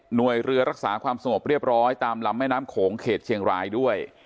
โดยเรือรักษาความสงบเรียบร้อยตามลำแม่น้ำโขงเขตเชียงรายด้วย